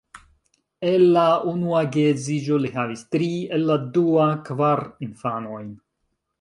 El la unua geedziĝo li havis tri, el la dua kvar infanojn.